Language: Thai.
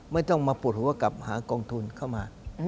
ไม่ต้องมาปวดหัวกลับหากองทุนเข้ามา